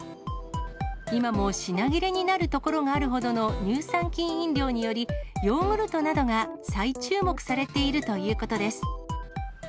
今も品切れになる所があるほどの乳酸菌飲料により、ヨーグルトなどが再注目されているということです。